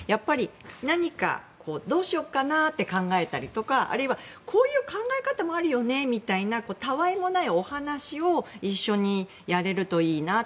何か、どうしようかなって考えたりとかあるいは、こういう考え方もあるよねみたいなたわいもないお話を一緒にやれるといいなと。